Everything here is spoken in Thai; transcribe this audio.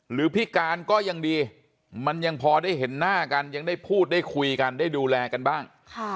พิการก็ยังดีมันยังพอได้เห็นหน้ากันยังได้พูดได้คุยกันได้ดูแลกันบ้าง